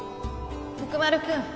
徳丸君。